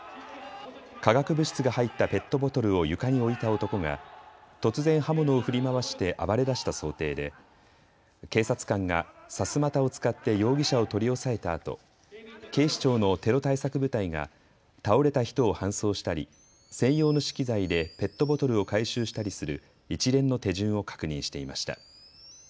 化学物質が入ったペットボトルを床に置いた男が突然、刃物を振り回して暴れだした想定で警察官がさすまたを使って容疑者を取り押さえたあと警視庁のテロ対策部隊が倒れた人を搬送したり専用の資機材でペットボトルを回収したりする一連の手順を確認していました。